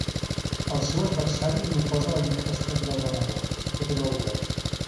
El seu adversari li oposa la incapacitat del venedor; aquest és el dret.